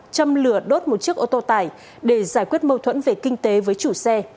châm lửa đốt một chiếc ô tô tải để giải quyết mâu thuẫn về kinh tế với chủ xe